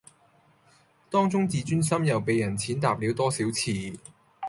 當中自尊心又被人踐踏了多少次